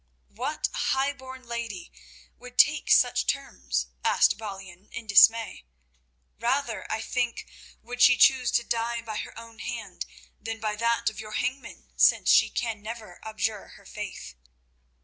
"What high born lady would take such terms?" asked Balian in dismay. "Rather, I think, would she choose to die by her own hand than by that of your hangman, since she can never abjure her faith."